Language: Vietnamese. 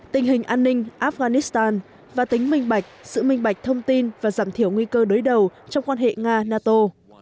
tình hình an ninh afghanistan và tính minh bạch sự minh bạch thông tin và giảm thiểu nguy cơ đối đầu trong quan hệ nga nato